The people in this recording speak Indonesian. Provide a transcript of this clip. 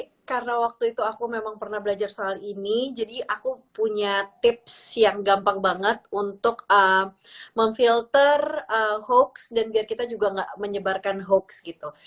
jadi karena waktu itu aku memang pernah belajar soal ini jadi aku punya tips yang gampang banget untuk memfilter hoax dan biar kita juga nggak menyebarkan hoax gitu